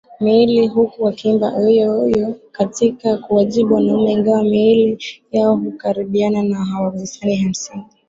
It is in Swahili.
miili huku wakiimba Oiiiyo yo katika kuwajibu wanaume Ingawa miili yao hukaribiana hawagusani Hamsini